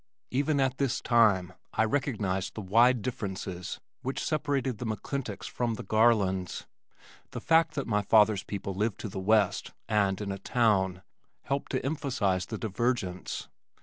Even at this time I recognized the wide differences which separated the McClintocks from the Garlands. The fact that my father's people lived to the west and in a town helped to emphasize the divergence.